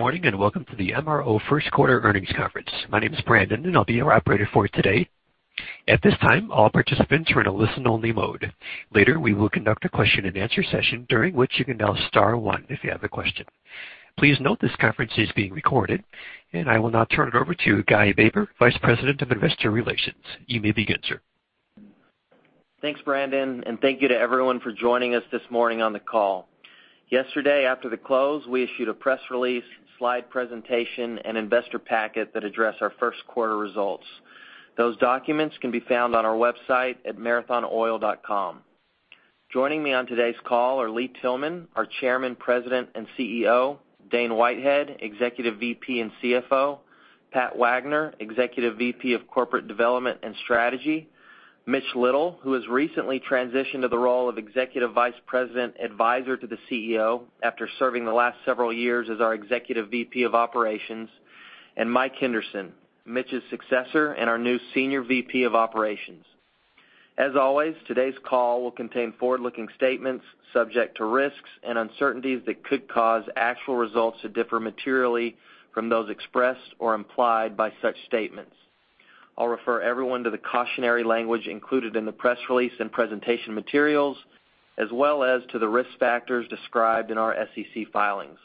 Good morning, and welcome to the MRO Q1 Earnings Conference. My name is Brandon, and I'll be your operator for today. At this time, all participants are in a listen-only mode. Later, we will conduct a question-and-answer session, during which you can dial star one if you have a question. Please note this conference is being recorded, and I will now turn it over to Guy Baber, Vice President of Investor Relations. You may begin, sir. Thanks, Brandon. Thank you to everyone for joining us this morning on the call. Yesterday after the close, we issued a press release, slide presentation, and investor packet that address our first quarter results. Those documents can be found on our website at marathonoil.com. Joining me on today's call are Lee Tillman, our Chairman, President, and CEO, Dane Whitehead, Executive VP and CFO, Pat Wagner, Executive VP of Corporate Development and Strategy, Mitch Little, who has recently transitioned to the role of Executive Vice President Advisor to the CEO after serving the last several years as our Executive VP of Operations, and Mike Henderson, Mitch's successor, and our new Senior VP of Operations. As always, today's call will contain forward-looking statements subject to risks and uncertainties that could cause actual results to differ materially from those expressed or implied by such statements. I'll refer everyone to the cautionary language included in the press release and presentation materials, as well as to the risk factors described in our SEC filings.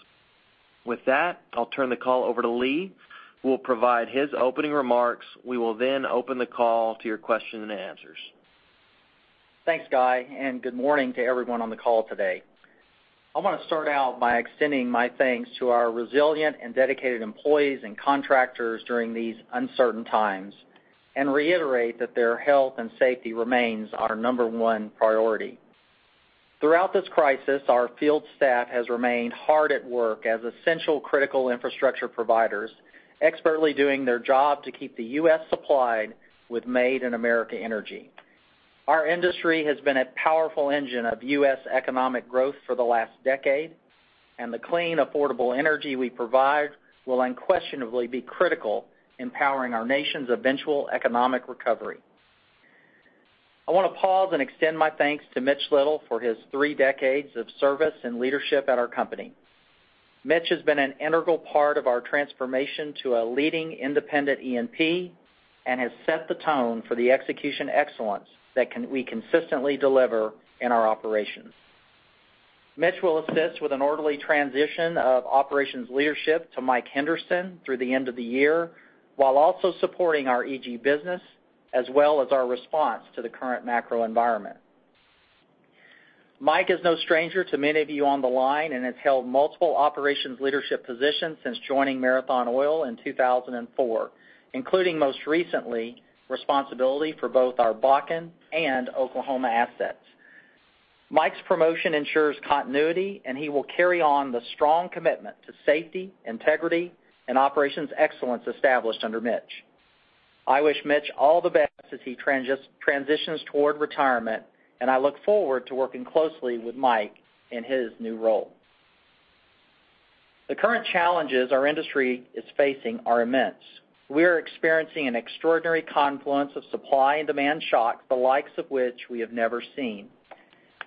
With that, I'll turn the call over to Lee, who will provide his opening remarks. We will open the call to your question and answers. Thanks, Guy. Good morning to everyone on the call today. I want to start out by extending my thanks to our resilient and dedicated employees and contractors during these uncertain times and reiterate that their health and safety remains our number one priority. Throughout this crisis, our field staff has remained hard at work as essential critical infrastructure providers, expertly doing their job to keep the U.S. supplied with Made in America energy. Our industry has been a powerful engine of U.S. economic growth for the last decade. The clean, affordable energy we provide will unquestionably be critical in powering our nation's eventual economic recovery. I want to pause and extend my thanks to Mitch Little for his three decades of service and leadership at our company. Mitch has been an integral part of our transformation to a leading independent E&P and has set the tone for the execution excellence that we consistently deliver in our operations. Mitch will assist with an orderly transition of operations leadership to Mike Henderson through the end of the year, while also supporting our EG business as well as our response to the current macro environment. Mike is no stranger to many of you on the line and has held multiple operations leadership positions since joining Marathon Oil in 2004, including, most recently, responsibility for both our Bakken and Oklahoma assets. Mike's promotion ensures continuity, and he will carry on the strong commitment to safety, integrity, and operations excellence established under Mitch. I wish Mitch all the best as he transitions toward retirement, and I look forward to working closely with Mike in his new role. The current challenges our industry is facing are immense. We are experiencing an extraordinary confluence of supply and demand shock, the likes of which we have never seen.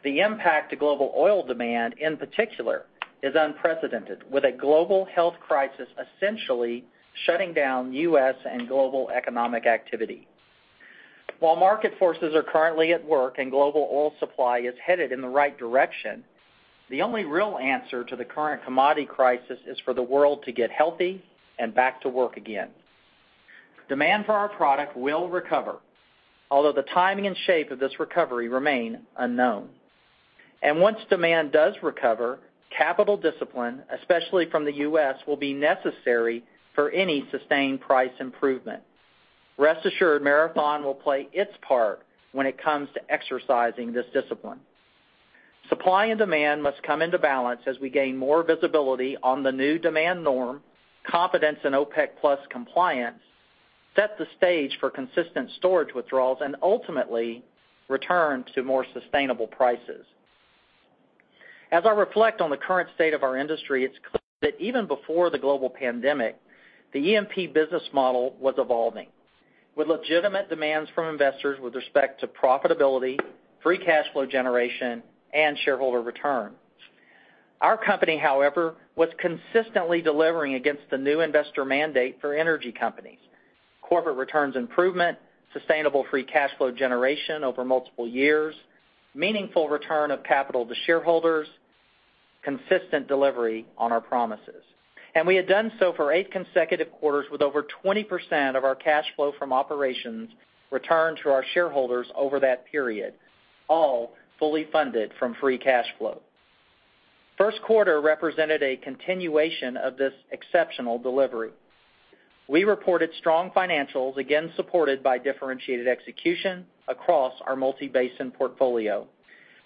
The impact to global oil demand, in particular, is unprecedented, with a global health crisis essentially shutting down U.S. and global economic activity. While market forces are currently at work, and global oil supply is headed in the right direction, the only real answer to the current commodity crisis is for the world to get healthy and back to work again. Demand for our product will recover, although the timing and shape of this recovery remain unknown. And once demand does recover, capital discipline, especially from the U.S., will be necessary for any sustained price improvement. Rest assured, Marathon will play its part when it comes to exercising this discipline. Supply and demand must come into balance as we gain more visibility on the new demand norm, confidence in OPEC+ compliance, set the stage for consistent storage withdrawals, and ultimately return to more sustainable prices. As I reflect on the current state of our industry, it's clear that even before the global pandemic, the E&P business model was evolving, with legitimate demands from investors with respect to profitability, free cash flow generation, and shareholder returns. Our company, however, was consistently delivering against the new investor mandate for energy companies: corporate returns improvement, sustainable free cash flow generation over multiple years, meaningful return of capital to shareholders, consistent delivery on our promises. We had done so for eight consecutive quarters with over 20% of our cash flow from operations returned to our shareholders over that period, all fully funded from free cash flow. Q1 represented a continuation of this exceptional delivery. We reported strong financials, again supported by differentiated execution across our multi-basin portfolio.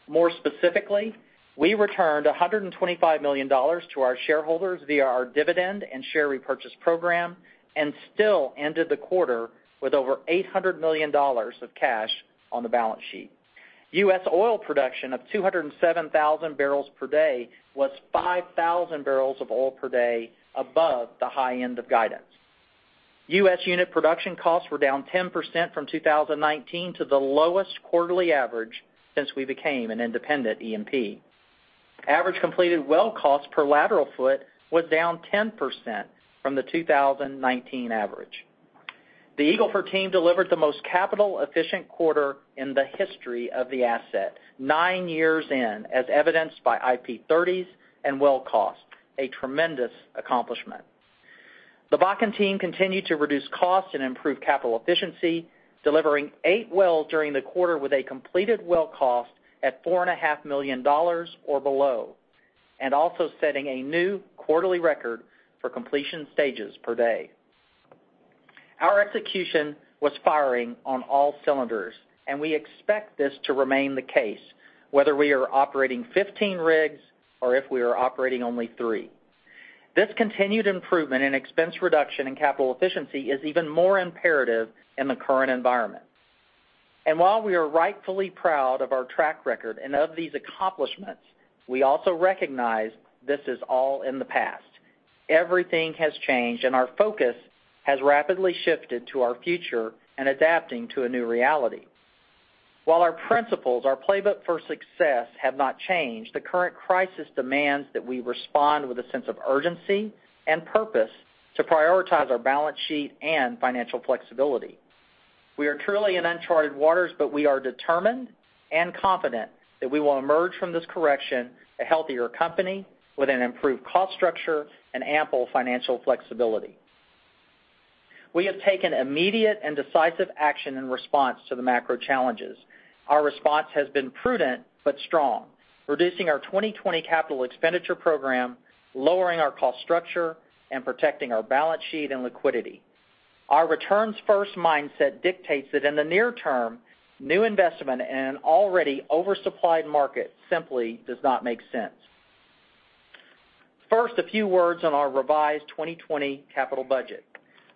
More specifically, we returned $125 million to our shareholders via our dividend and share repurchase program and still ended the quarter with over $800 million of cash on the balance sheet. U.S. oil production of 207,000 barrels per day was 5,000 barrels of oil per day above the high end of guidance. U.S. unit production costs were down 10% from 2019 to the lowest quarterly average since we became an independent E&P. Average completed well cost per lateral foot was down 10% from the 2019 average. The Eagle Ford team delivered the most capital efficient quarter in the history of the asset, nine years in, as evidenced by IP 30s and well cost, a tremendous accomplishment. The Bakken team continued to reduce costs and improve capital efficiency, delivering eight wells during the quarter with a completed well cost at $4.5 million or below, also setting a new quarterly record for completion stages per day. We expect this to remain the case, whether we are operating 15 rigs or if we are operating only three. This continued improvement in expense reduction and capital efficiency is even more imperative in the current environment. While we are rightfully proud of our track record and of these accomplishments, we also recognize this is all in the past. Everything has changed, our focus has rapidly shifted to our future and adapting to a new reality. While our principles, our playbook for success have not changed, the current crisis demands that we respond with a sense of urgency and purpose to prioritize our balance sheet and financial flexibility. We are truly in uncharted waters. We are determined and confident that we will emerge from this correction a healthier company with an improved cost structure and ample financial flexibility. We have taken immediate and decisive action in response to the macro challenges. Our response has been prudent but strong, reducing our 2020 capital expenditure program, lowering our cost structure, and protecting our balance sheet and liquidity. Our returns first mindset dictates that in the near term, new investment in an already oversupplied market simply does not make sense. First, a few words on our revised 2020 capital budget.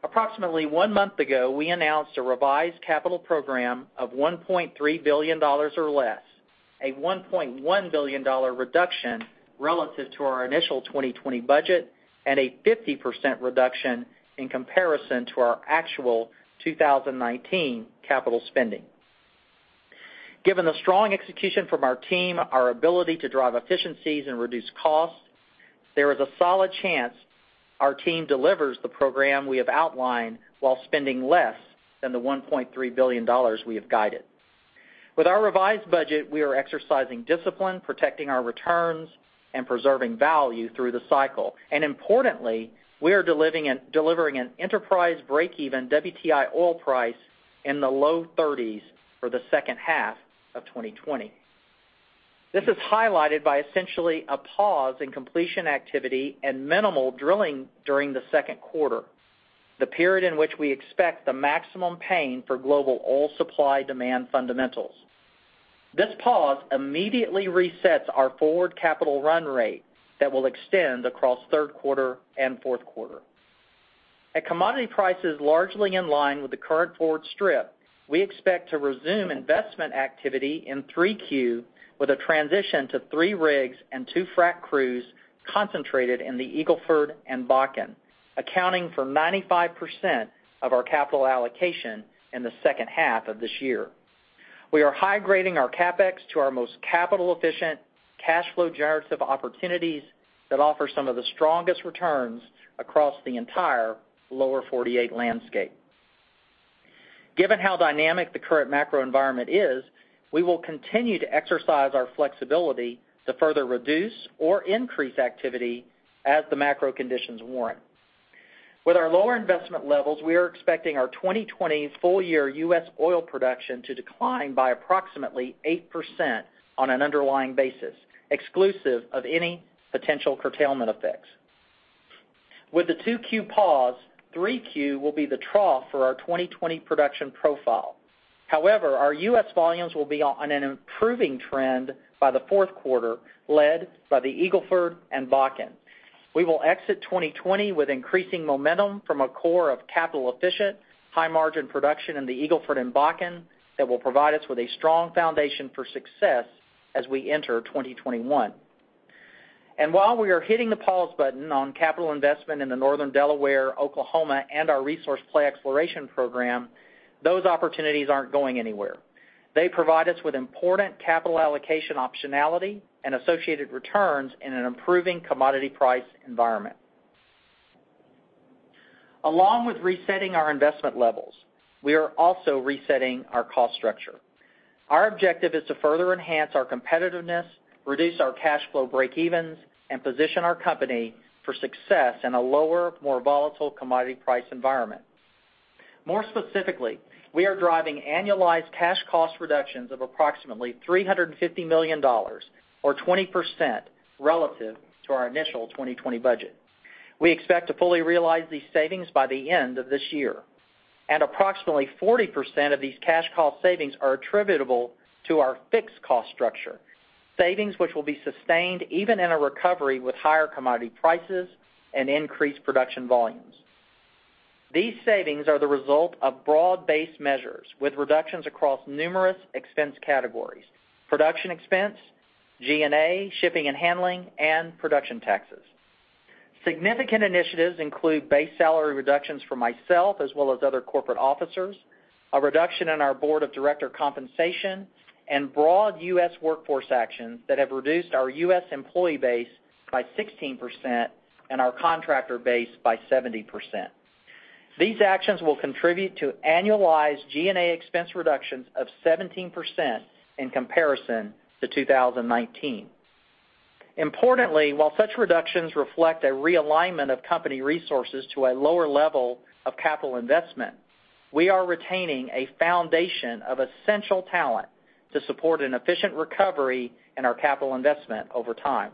Approximately one month ago, we announced a revised capital program of $1.3 billion or less, a $1.1 billion reduction relative to our initial 2020 budget, and a 50% reduction in comparison to our actual 2019 capital spending. Given the strong execution from our team, our ability to drive efficiencies and reduce costs, there is a solid chance our team delivers the program we have outlined while spending less than the $1.3 billion we have guided. With our revised budget, we are exercising discipline, protecting our returns, and preserving value through the cycle. Importantly, we are delivering an enterprise breakeven WTI oil price in the low 30s for the H2 of 2020. This is highlighted by essentially a pause in completion activity and minimal drilling during the second quarter, the period in which we expect the maximum pain for global oil supply demand fundamentals. This pause immediately resets our forward capital run rate that will extend across third quarter and fourth quarter. At commodity prices largely in line with the current forward strip, we expect to resume investment activity in Q3 with a transition to three rigs and two frack crews concentrated in the Eagle Ford and Bakken, accounting for 95% of our capital allocation in the second half of this year. We are high-grading our CapEx to our most capital efficient, cash flow generative opportunities that offer some of the strongest returns across the entire lower 48 landscape. Given how dynamic the current macro environment is, we will continue to exercise our flexibility to further reduce or increase activity as the macro conditions warrant. With our lower investment levels, we are expecting our 2020 full-year U.S. oil production to decline by approximately 8% on an underlying basis, exclusive of any potential curtailment effects. With the Q2 pause, Q3 will be the trough for our 2020 production profile. Our U.S. volumes will be on an improving trend by the fourth quarter, led by the Eagle Ford and Bakken. We will exit 2020 with increasing momentum from a core of capital efficient, high margin production in the Eagle Ford and Bakken that will provide us with a strong foundation for success as we enter 2021. While we are hitting the pause button on capital investment in the Northern Delaware, Oklahoma, and our resource play exploration program, those opportunities aren't going anywhere. They provide us with important capital allocation optionality and associated returns in an improving commodity price environment. Along with resetting our investment levels, we are also resetting our cost structure. Our objective is to further enhance our competitiveness, reduce our cash flow breakevens, and position our company for success in a lower, more volatile commodity price environment. More specifically, we are driving annualized cash cost reductions of approximately $350 million, or 20% relative to our initial 2020 budget. We expect to fully realize these savings by the end of this year. Approximately 40% of these cash cost savings are attributable to our fixed cost structure, savings which will be sustained even in a recovery with higher commodity prices and increased production volumes. These savings are the result of broad-based measures with reductions across numerous expense categories, production expense, G&A, shipping and handling, and production taxes. Significant initiatives include base salary reductions for myself, as well as other corporate officers, a reduction in our board of director compensation, and broad U.S. workforce actions that have reduced our U.S. employee base by 16% and our contractor base by 70%. These actions will contribute to annualized G&A expense reductions of 17% in comparison to 2019. Importantly, while such reductions reflect a realignment of company resources to a lower level of capital investment, we are retaining a foundation of essential talent to support an efficient recovery in our capital investment over time.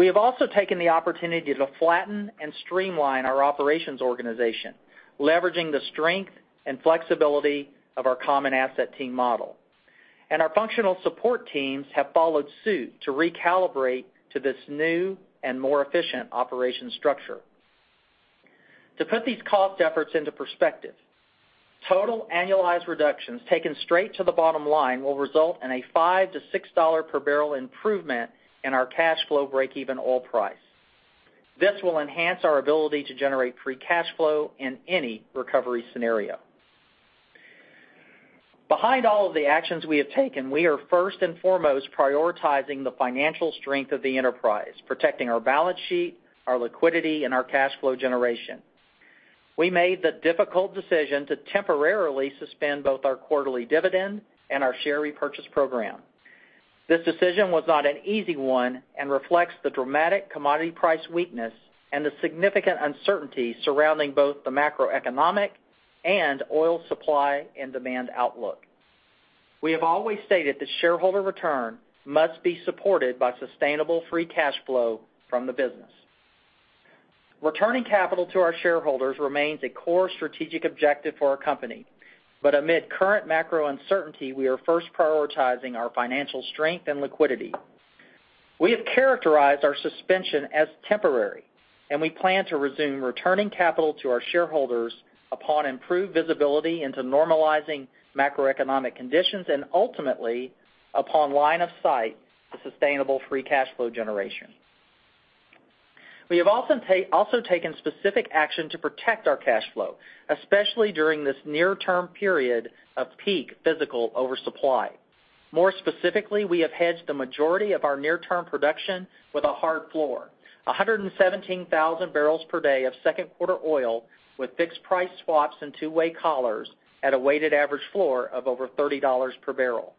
We have also taken the opportunity to flatten and streamline our operations organization, leveraging the strength and flexibility of our common asset team model. Our functional support teams have followed suit to recalibrate to this new and more efficient operation structure. To put these cost efforts into perspective, total annualized reductions taken straight to the bottom line will result in a $5-$6 per barrel improvement in our cash flow breakeven oil price. This will enhance our ability to generate free cash flow in any recovery scenario. Behind all of the actions we have taken, we are first and foremost prioritizing the financial strength of the enterprise, protecting our balance sheet, our liquidity, and our cash flow generation. We made the difficult decision to temporarily suspend both our quarterly dividend and our share repurchase program. This decision was not an easy one and reflects the dramatic commodity price weakness and the significant uncertainty surrounding both the macroeconomic and oil supply and demand outlook. We have always stated that shareholder return must be supported by sustainable free cash flow from the business. Returning capital to our shareholders remains a core strategic objective for our company. Amid current macro uncertainty, we are first prioritizing our financial strength and liquidity. We have characterized our suspension as temporary, and we plan to resume returning capital to our shareholders upon improved visibility into normalizing macroeconomic conditions and ultimately, upon line of sight to sustainable free cash flow generation. We have also taken specific action to protect our cash flow, especially during this near-term period of peak physical oversupply. More specifically, we have hedged the majority of our near-term production with a hard floor, 117,000 barrels per day of second quarter oil with fixed price swaps and two-way collars at a weighted average floor of over $30 per barrel.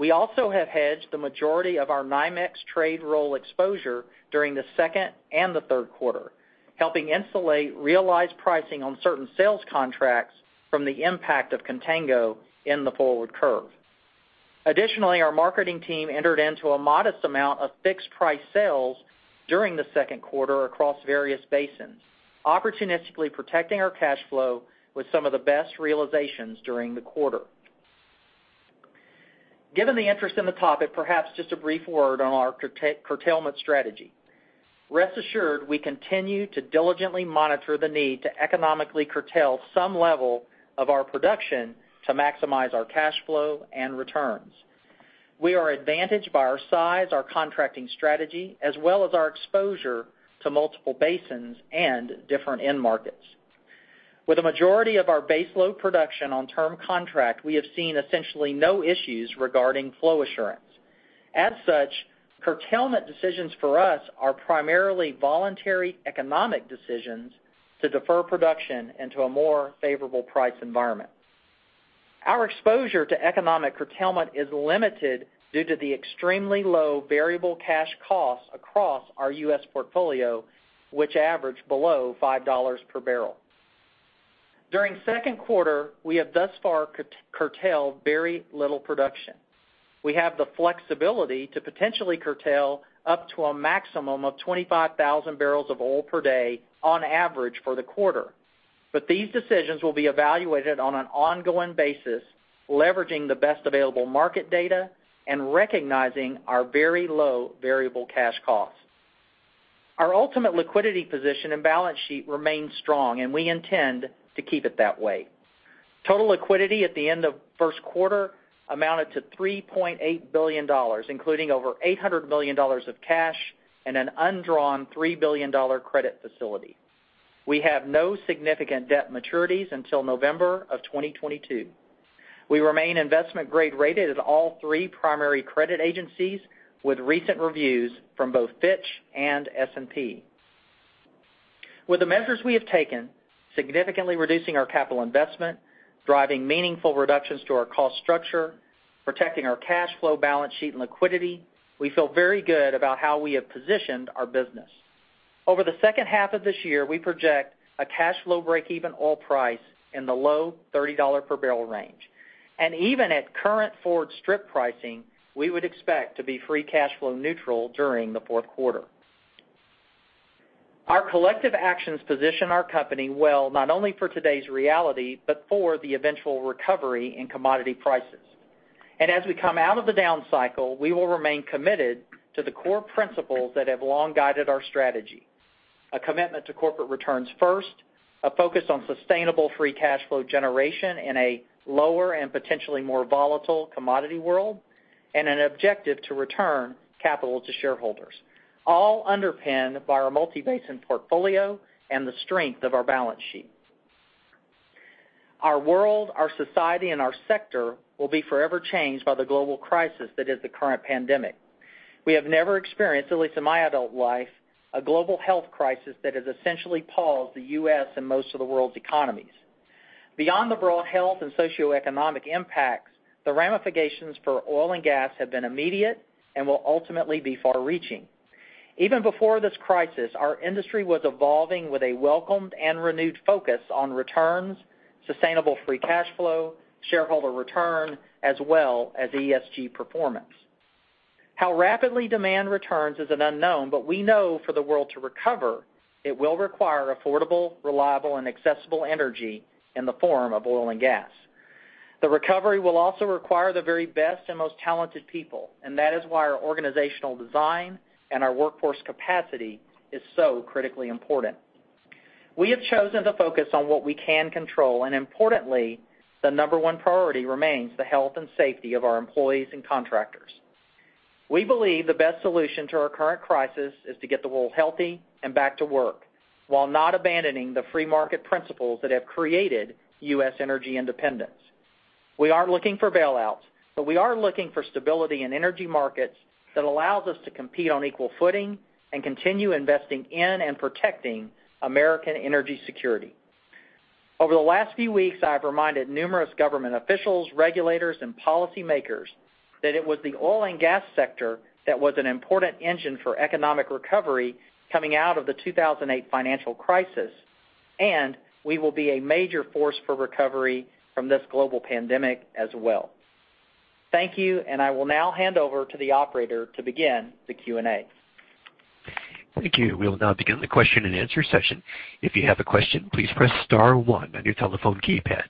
We also have hedged the majority of our NYMEX trade roll exposure during the second and the third quarter, helping insulate realized pricing on certain sales contracts from the impact of contango in the forward curve. Additionally, our marketing team entered into a modest amount of fixed-price sales during the second quarter across various basins, opportunistically protecting our cash flow with some of the best realizations during the quarter. Given the interest in the topic, perhaps just a brief word on our curtailment strategy. Rest assured, we continue to diligently monitor the need to economically curtail some level of our production to maximize our cash flow and returns. We are advantaged by our size, our contracting strategy, as well as our exposure to multiple basins and different end markets. With a majority of our baseload production on term contract, we have seen essentially no issues regarding flow assurance. As such, curtailment decisions for us are primarily voluntary economic decisions to defer production into a more favorable price environment. Our exposure to economic curtailment is limited due to the extremely low variable cash costs across our U.S. portfolio, which average below $5 per barrel. During the second quarter, we have thus far curtailed very little production. We have the flexibility to potentially curtail up to a maximum of 25,000 barrels of oil per day on average for the quarter. These decisions will be evaluated on an ongoing basis, leveraging the best available market data and recognizing our very low variable cash costs. Our ultimate liquidity position and balance sheet remain strong, and we intend to keep it that way. Total liquidity at the end of the first quarter amounted to $3.8 billion, including over $800 million of cash and an undrawn $3 billion credit facility. We have no significant debt maturities until November of 2022. We remain investment-grade rated at all three primary credit agencies, with recent reviews from both Fitch and S&P. With the measures we have taken, significantly reducing our capital investment, driving meaningful reductions to our cost structure, protecting our cash flow balance sheet and liquidity, we feel very good about how we have positioned our business. Over the second half of this year, we project a cash flow breakeven oil price in the low $30 per barrel range. Even at current forward strip pricing, we would expect to be free cash flow neutral during the fourth quarter. Our collective actions position our company well, not only for today's reality, but for the eventual recovery in commodity prices. As we come out of the down cycle, we will remain committed to the core principles that have long guided our strategy. A commitment to corporate returns first, a focus on sustainable free cash flow generation in a lower and potentially more volatile commodity world, and an objective to return capital to shareholders, all underpinned by our multi-basin portfolio and the strength of our balance sheet. Our world, our society, and our sector will be forever changed by the global crisis that is the current pandemic. We have never experienced, at least in my adult life, a global health crisis that has essentially paused the U.S. and most of the world's economies. Beyond the broad health and socioeconomic impacts, the ramifications for oil and gas have been immediate and will ultimately be far-reaching. Even before this crisis, our industry was evolving with a welcomed and renewed focus on returns, sustainable free cash flow, shareholder return, as well as ESG performance. How rapidly demand returns is an unknown, but we know for the world to recover, it will require affordable, reliable, and accessible energy in the form of oil and gas. The recovery will also require the very best and most talented people, and that is why our organizational design and our workforce capacity is so critically important. We have chosen to focus on what we can control, and importantly, the number one priority remains the health and safety of our employees and contractors. We believe the best solution to our current crisis is to get the world healthy and back to work while not abandoning the free market principles that have created U.S. energy independence. We aren't looking for bailouts, we are looking for stability in energy markets that allows us to compete on equal footing and continue investing in and protecting American energy security. Over the last few weeks, I've reminded numerous government officials, regulators, and policymakers that it was the oil and gas sector that was an important engine for economic recovery coming out of the 2008 financial crisis. We will be a major force for recovery from this global pandemic as well. Thank you. I will now hand over to the operator to begin the Q&A. Thank you. We'll now begin the question and answer session. If you have a question, please press star one on your telephone keypad.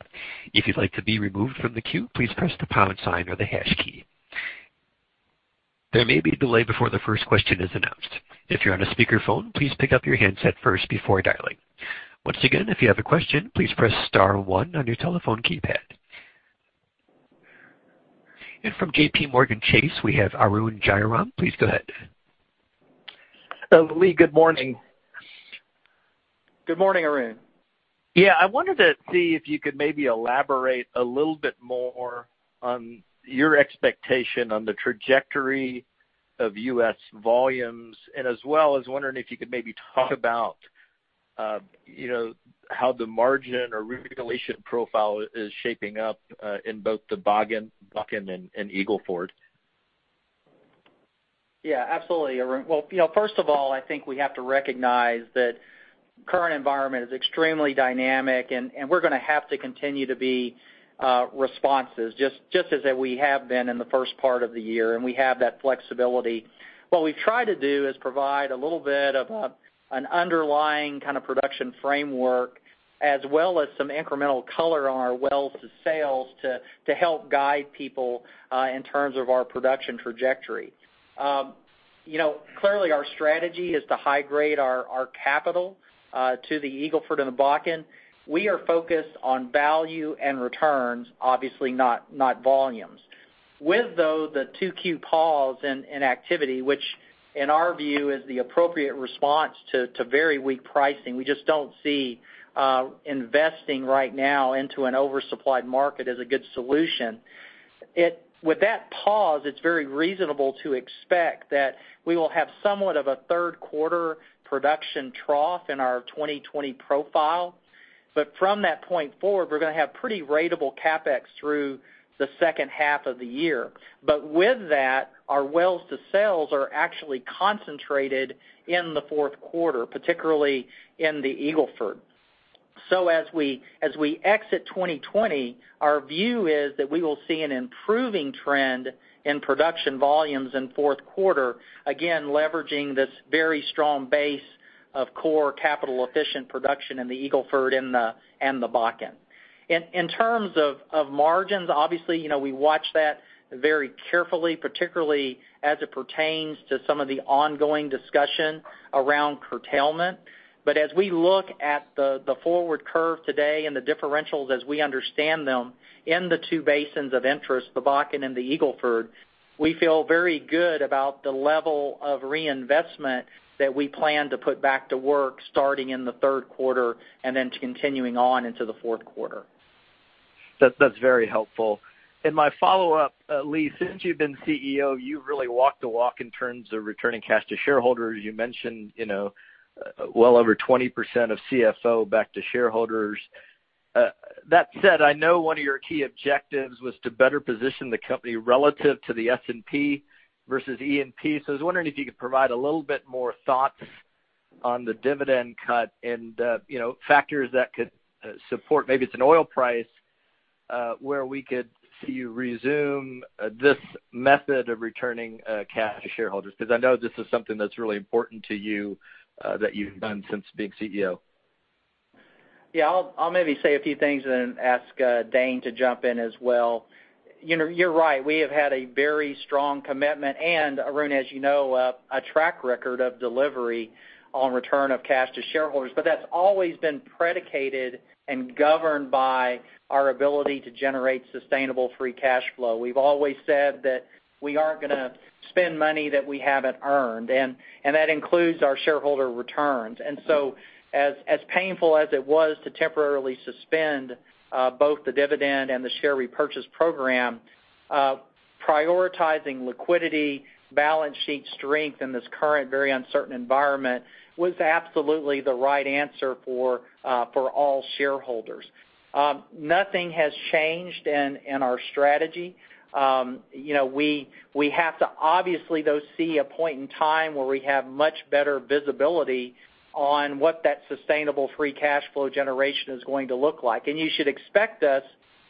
If you'd like to be removed from the queue, please press the pound sign or the hash key. There may be a delay before the first question is announced. If you're on a speakerphone, please pick up your handset first before dialing. Once again, if you have a question, please press star one on your telephone keypad. From JPMorgan Chase, we have Arun Jayaram. Please go ahead. Lee, good morning. Good morning, Arun. Yeah. I wanted to see if you could maybe elaborate a little bit more on your expectation on the trajectory of U.S. volumes, and as well, I was wondering if you could maybe talk about how the margin or regulation profile is shaping up in both the Bakken and Eagle Ford. Yeah, absolutely, Arun. Well, first of all, I think we have to recognize that current environment is extremely dynamic. We're going to have to continue to be responsive, just as we have been in the first part of the year. We have that flexibility. What we've tried to do is provide a little bit of an underlying kind of production framework, as well as some incremental color on our wells to sales to help guide people in terms of our production trajectory. Clearly, our strategy is to high-grade our capital to the Eagle Ford and the Bakken. We are focused on value and returns, obviously not volumes. With, though, the Q2 pause in activity, which in our view is the appropriate response to very weak pricing. We just don't see investing right now into an oversupplied market as a good solution. With that pause, it's very reasonable to expect that we will have somewhat of a third quarter production trough in our 2020 profile. From that point forward, we're going to have pretty ratable CapEx through the second half of the year. With that, our wells to sales are actually concentrated in the fourth quarter, particularly in the Eagle Ford. As we exit 2020, our view is that we will see an improving trend in production volumes in fourth quarter, again, leveraging this very strong base of core capital-efficient production in the Eagle Ford and the Bakken. In terms of margins, obviously, we watch that very carefully, particularly as it pertains to some of the ongoing discussion around curtailment. As we look at the forward curve today and the differentials as we understand them in the two basins of interest, the Bakken and the Eagle Ford, we feel very good about the level of reinvestment that we plan to put back to work starting in the Q3 and then continuing on into the Q4. That's very helpful. In my follow-up, Lee, since you've been CEO, you've really walked the walk in terms of returning cash to shareholders. You mentioned well over 20% of CFO back to shareholders. That said, I know one of your key objectives was to better position the company relative to the S&P versus E&P. I was wondering if you could provide a little bit more thoughts on the dividend cut and factors that could support, maybe it's an oil price, where we could see you resume this method of returning cash to shareholders, because I know this is something that's really important to you that you've done since being CEO. Yeah. I'll maybe say a few things and then ask Dane to jump in as well. You're right. We have had a very strong commitment, and Arun, as you know, a track record of delivery on return of cash to shareholders. That's always been predicated and governed by our ability to generate sustainable free cash flow. We've always said that we aren't going to spend money that we haven't earned, and that includes our shareholder returns. As painful as it was to temporarily suspend both the dividend and the share repurchase program, prioritizing liquidity, balance sheet strength in this current very uncertain environment was absolutely the right answer for all shareholders. Nothing has changed in our strategy. We have to obviously, though, see a point in time where we have much better visibility on what that sustainable free cash flow generation is going to look like. You should expect us,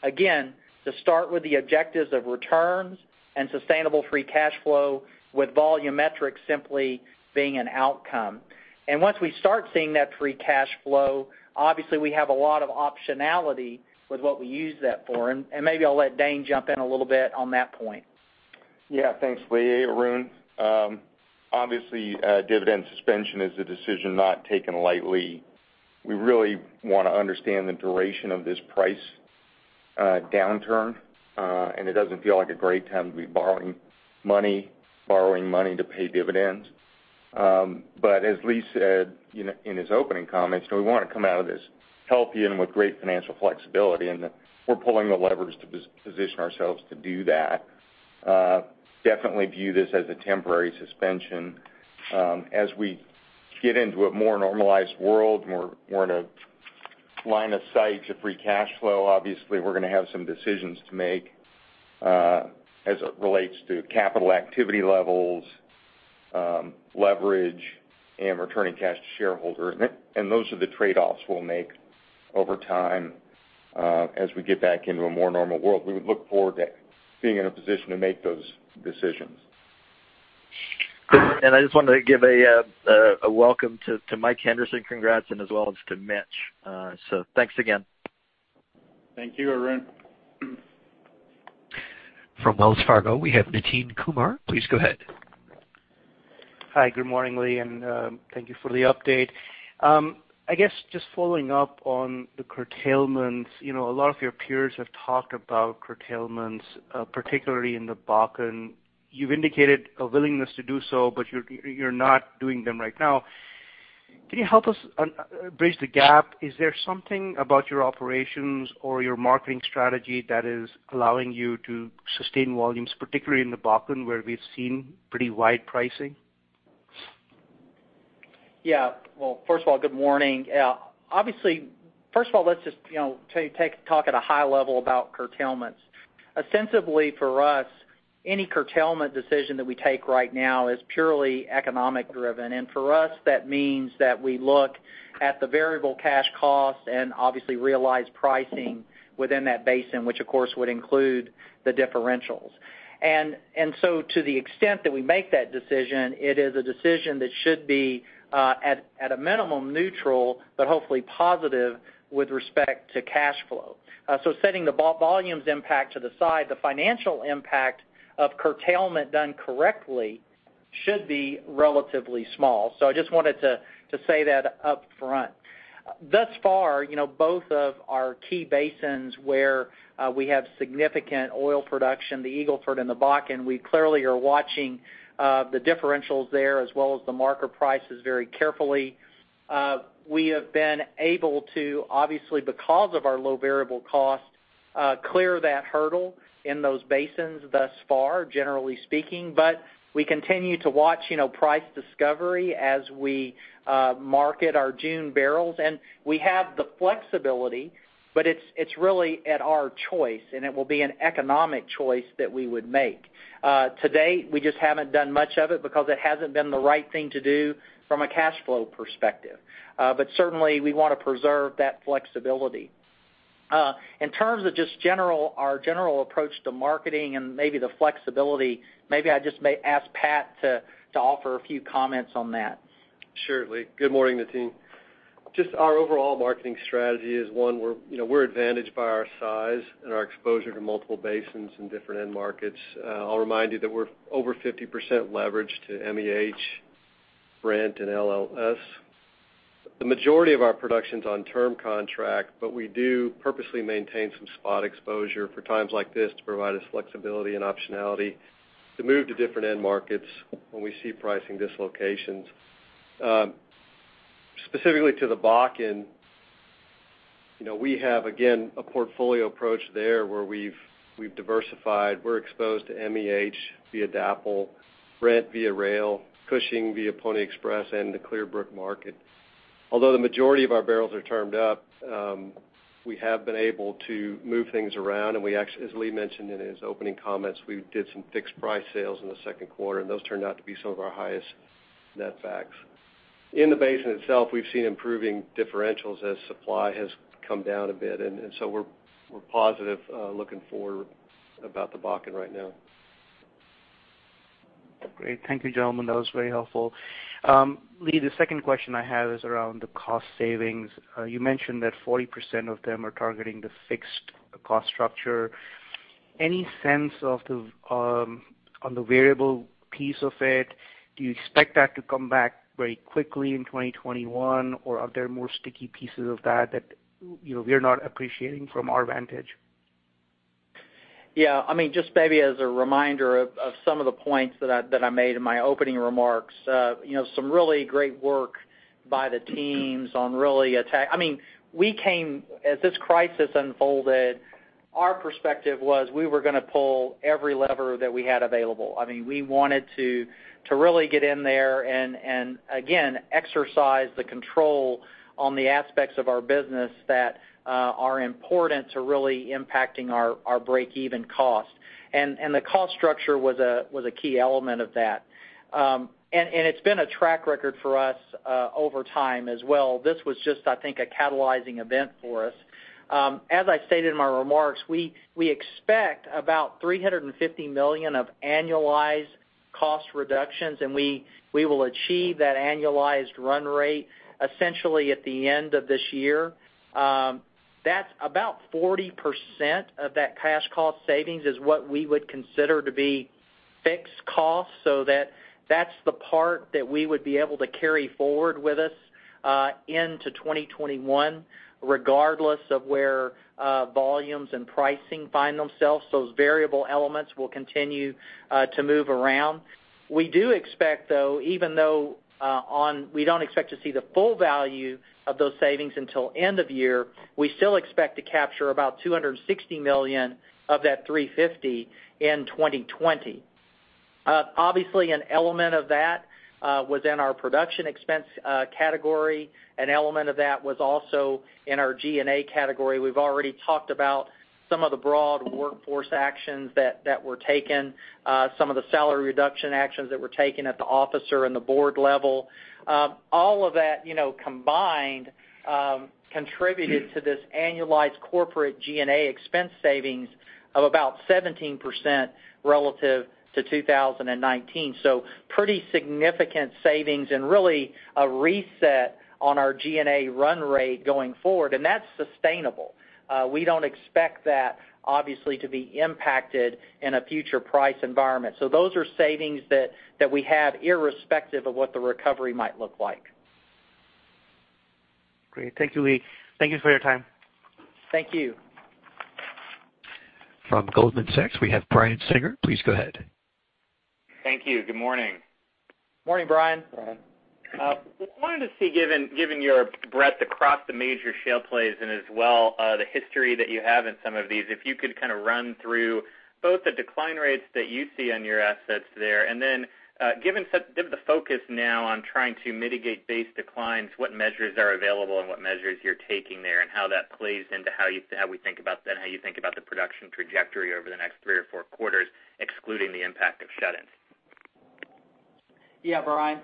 again, to start with the objectives of returns and sustainable free cash flow with volume metrics simply being an outcome. Once we start seeing that free cash flow, obviously, we have a lot of optionality with what we use that for, and maybe I'll let Dane jump in a little bit on that point. Yeah, thanks, Lee. Arun, obviously, dividend suspension is a decision not taken lightly. We really want to understand the duration of this price downturn. It doesn't feel like a great time to be borrowing money to pay dividends. As Lee said in his opening comments, we want to come out of this healthy and with great financial flexibility, and we're pulling the levers to position ourselves to do that. Definitely view this as a temporary suspension. As we get into a more normalized world, more in a line of sight to free cash flow, obviously, we're going to have some decisions to make as it relates to capital activity levels, leverage, and returning cash to shareholders. Those are the trade-offs we'll make over time as we get back into a more normal world. We would look forward to being in a position to make those decisions. I just wanted to give a welcome to Mike Henderson, congrats, and as well as to Mitch. Thanks again. Thank you, Arun. From Wells Fargo, we have Nitin Kumar. Please go ahead. Hi, good morning, Lee, and thank you for the update. I guess just following up on the curtailments. A lot of your peers have talked about curtailments, particularly in the Bakken. You've indicated a willingness to do so, but you're not doing them right now. Can you help us bridge the gap? Is there something about your operations or your marketing strategy that is allowing you to sustain volumes, particularly in the Bakken, where we've seen pretty wide pricing? Yeah. Well, first of all, good morning. Obviously, first of all, let's just talk at a high level about curtailments. Ostensibly for us, any curtailment decision that we take right now is purely economic driven. For us, that means that we look at the variable cash cost and obviously realize pricing within that basin, which of course, would include the differentials. To the extent that we make that decision, it is a decision that should be, at a minimum, neutral, but hopefully positive with respect to cash flow. Setting the volumes impact to the side, the financial impact of curtailment done correctly should be relatively small. I just wanted to say that up front. Thus far, both of our key basins where we have significant oil production, the Eagle Ford and the Bakken, we clearly are watching the differentials there as well as the market prices very carefully. We have been able to, obviously because of our low variable cost, clear that hurdle in those basins thus far, generally speaking. We continue to watch price discovery as we market our June barrels. We have the flexibility, but it's really at our choice, and it will be an economic choice that we would make. To date, we just haven't done much of it because it hasn't been the right thing to do from a cash flow perspective. Certainly, we want to preserve that flexibility. In terms of just our general approach to marketing and maybe the flexibility, maybe I just may ask Pat to offer a few comments on that. Sure, Lee. Good morning, Nitin. Just our overall marketing strategy is one where we're advantaged by our size and our exposure to multiple basins and different end markets. I'll remind you that we're over 50% leveraged to MEH, Brent, and LLS. The majority of our production's on term contract, but we do purposely maintain some spot exposure for times like this to provide us flexibility and optionality to move to different end markets when we see pricing dislocations. Specifically to the Bakken, we have, again, a portfolio approach there where we've diversified. We're exposed to MEH via DAPL, Brent via rail, Cushing via Pony Express, and the Clearbrook market. Although the majority of our barrels are termed up, we have been able to move things around, and as Lee mentioned in his opening comments, we did some fixed price sales in the second quarter, and those turned out to be some of our highest netbacks. In the basin itself, we've seen improving differentials as supply has come down a bit, and so we're positive looking forward about the Bakken right now. Great. Thank you, gentlemen. That was very helpful. Lee, the second question I have is around the cost savings. You mentioned that 40% of them are targeting the fixed cost structure. Any sense on the variable piece of it? Do you expect that to come back very quickly in 2021? Are there more sticky pieces of that we're not appreciating from our vantage? Yeah. Just maybe as a reminder of some of the points that I made in my opening remarks. Some really great work by the teams. As this crisis unfolded, our perspective was we were going to pull every lever that we had available. We wanted to really get in there and, again, exercise the control on the aspects of our business that are important to really impacting our breakeven cost. The cost structure was a key element of that. It's been a track record for us over time as well. This was just, I think, a catalyzing event for us. As I stated in my remarks, we expect about $350 million of annualized cost reductions, and we will achieve that annualized run rate essentially at the end of this year. About 40% of that cash cost savings is what we would consider to be fixed costs. That's the part that we would be able to carry forward with us into 2021, regardless of where volumes and pricing find themselves. Those variable elements will continue to move around. We do expect, though, even though we don't expect to see the full value of those savings until end of year, we still expect to capture about $260 million of that $350 million in 2020. Obviously, an element of that was in our production expense category. An element of that was also in our G&A category. We've already talked about some of the broad workforce actions that were taken, some of the salary reduction actions that were taken at the officer and the board level. All of that combined contributed to this annualized corporate G&A expense savings of about 17% relative to 2019. Pretty significant savings and really a reset on our G&A run rate going forward, and that's sustainable. We don't expect that, obviously, to be impacted in a future price environment. Those are savings that we have irrespective of what the recovery might look like. Great. Thank you, Lee. Thank you for your time. Thank you. From Goldman Sachs, we have Brian Singer. Please go ahead. Thank you. Good morning. Morning, Brian. I wanted to see, given your breadth across the major shale plays and as well the history that you have in some of these, if you could kind of run through both the decline rates that you see on your assets there, and then given the focus now on trying to mitigate base declines, what measures are available and what measures you're taking there, and how that plays into how we think about that and how you think about the production trajectory over the next three or four quarters, excluding the impact of shut-ins? Yeah, Brian.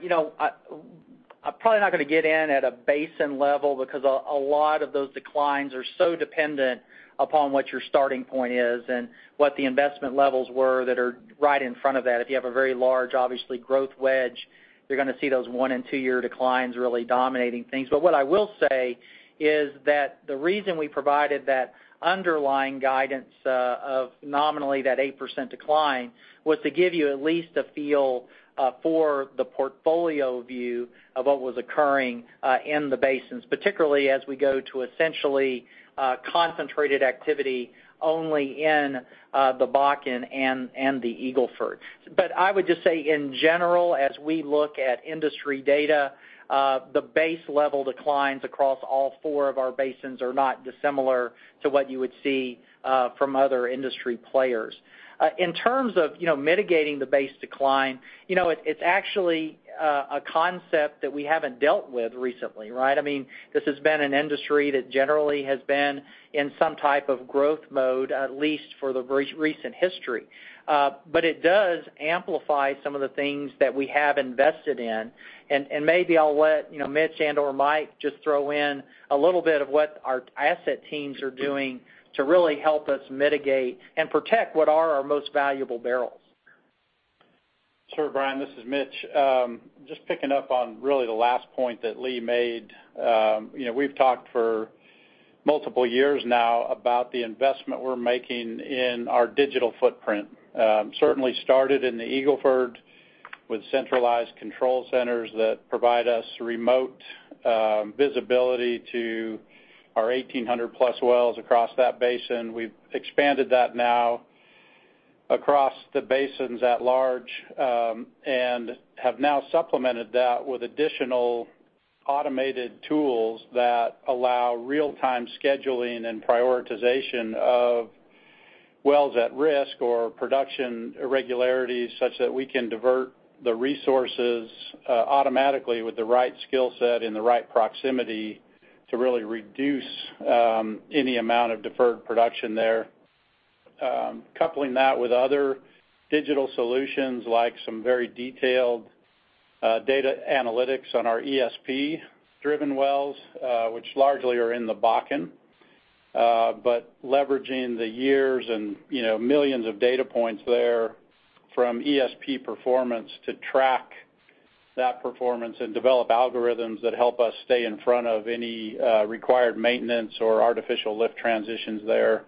I'm probably not going to get in at a basin level because a lot of those declines are so dependent upon what your starting point is and what the investment levels were that are right in front of that. If you have a very large, obviously, growth wedge, you're going to see those one and two-year declines really dominating things. What I will say is that the reason we provided that underlying guidance of nominally that 8% decline was to give you at least a feel for the portfolio view of what was occurring in the basins, particularly as we go to essentially concentrated activity only in the Bakken and the Eagle Ford. I would just say in general, as we look at industry data, the base level declines across all four of our basins are not dissimilar to what you would see from other industry players. In terms of mitigating the base decline, it's actually a concept that we haven't dealt with recently, right? This has been an industry that generally has been in some type of growth mode, at least for the recent history. It does amplify some of the things that we have invested in. Maybe I'll let Mitch and/or Mike just throw in a little bit of what our asset teams are doing to really help us mitigate and protect what are our most valuable barrels. Sure, Brian, this is Mitch. Just picking up on really the last point that Lee made. We've talked for multiple years now about the investment we're making in our digital footprint. Certainly started in the Eagle Ford with centralized control centers that provide us remote visibility to our 1,800 plus wells across that basin. We've expanded that now across the basins at large, and have now supplemented that with additional automated tools that allow real-time scheduling and prioritization of wells at risk or production irregularities, such that we can divert the resources automatically with the right skill set and the right proximity to really reduce any amount of deferred production there. Coupling that with other digital solutions like some very detailed data analytics on our ESP-driven wells, which largely are in the Bakken. Leveraging the years and millions of data points there from ESP performance to track that performance and develop algorithms that help us stay in front of any required maintenance or artificial lift transitions there.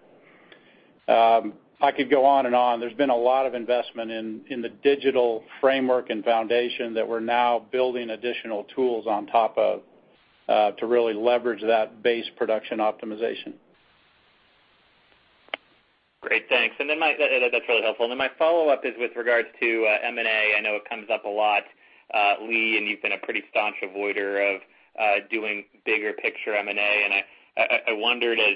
I could go on and on. There's been a lot of investment in the digital framework and foundation that we're now building additional tools on top of, to really leverage that base production optimization. Great. Thanks. That's really helpful. My follow-up is with regards to M&A. I know it comes up a lot, Lee, and you've been a pretty staunch avoider of doing bigger picture M&A, and I wondered as,